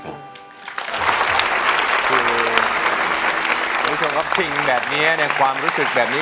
คุณผู้ชมครับสิ่งแบบนี้ในความรู้สึกแบบนี้